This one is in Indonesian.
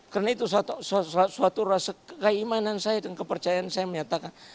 karena itu suatu rasa keimanan saya dan kepercayaan saya menyatakan